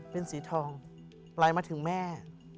เป็นสีทองไหลมาถึงแม่